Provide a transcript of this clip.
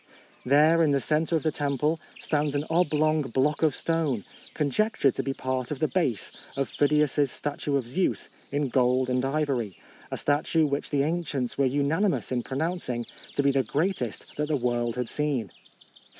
There, in the centre of the temple, stands an ob long block of stone, conjectured to be part of the base of Phidias's statue of Zeus in gold and ivory, a statue which the ancients were unanimous in pronouncing to be the greatest that the world had seen.